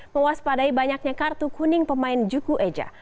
mewaspadai banyaknya kartu kuning pemain juku eja